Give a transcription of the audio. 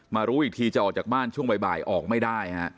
รู้อีกทีจะออกจากบ้านช่วงบ่ายออกไม่ได้ฮะ